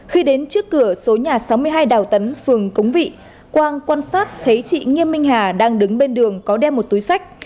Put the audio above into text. khi đến trước cửa số nhà sáu mươi hai đào tấn phường cống vị quang quan sát thấy chị nghiêm minh hà đang đứng bên đường có đeo một túi sách